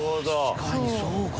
確かにそうかも。